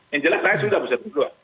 yang jelas saya sudah bisa berdua